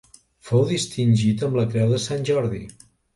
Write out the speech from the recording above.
Fou distingit amb la Creu de Sant Jordi.